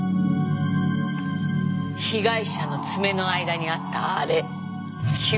被害者の爪の間にあったあれ皮膚片だった。